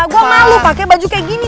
gue malu pakai baju kayak gini